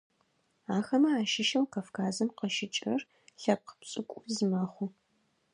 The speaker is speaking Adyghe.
Ахэмэ ащыщэу Кавказым къыщыкӏырэр лъэпкъ пшӏыкӏуз мэхъу.